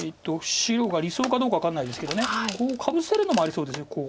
白が理想かどうか分かんないですけどかぶせるのもありそうですこう。